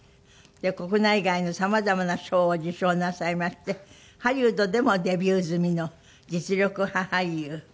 国内外のさまざまな賞を受賞なさいましてハリウッドでもデビュー済みの実力派俳優。